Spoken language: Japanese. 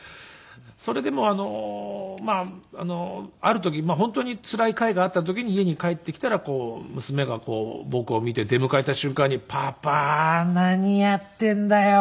それでもまあある時本当につらい回があった時に家に帰ってきたら娘がこう僕を見て出迎えた瞬間に「パパ何やってんだよ」っていって。